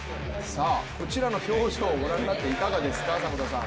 こちらの表情、ご覧になっていかがですか。